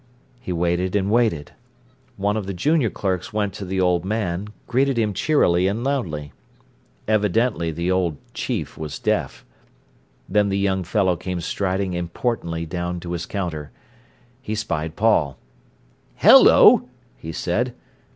He waited and waited. One of the junior clerks went to the old man, greeted him cheerily and loudly. Evidently the old "chief" was deaf. Then the young fellow came striding importantly down to his counter. He spied Paul. "Hello!" he said.